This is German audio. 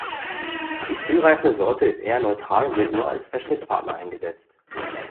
Die frühreifende Sorte ist eher neutral und wird nur als Verschnittpartner eingesetzt.